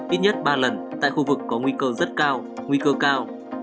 ít nhất ba lần tại khu vực có nguy cơ rất cao nguy cơ cao